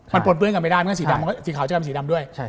มันโปรดเปรี้ยงกันไม่ได้มันธุระสีขาวจะกลับเป็นสีดำด้วย